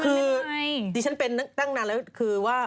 คือกี่ฉันเป็นนึกตั้งนานเลยคือว่า